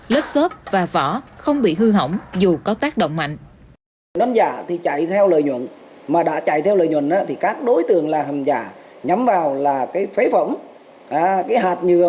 lớp xốp và vỏ không bị hư hỏng dù có tác động mạnh